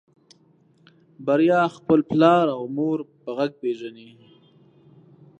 بريا خپل پلار او مور په غږ پېژني.